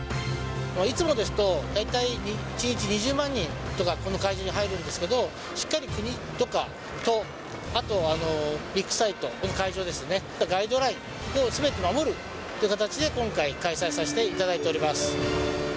いつもですと、大体１日２０万人とか、この会場に入るんですけど、しっかり国とかと、あとはビッグサイト、この会場ですね、ガイドラインをすべて守るという形で今回、開催させていただいております。